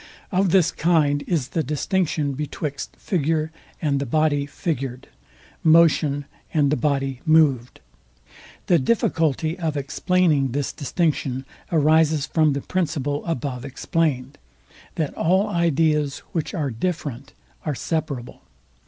Of this kind is the distinction betwixt figure and the body figured; motion and the body moved. The difficulty of explaining this distinction arises from the principle above explained, that all ideas, which are different, are separable.